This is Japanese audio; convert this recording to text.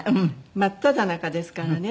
真っただ中ですからね。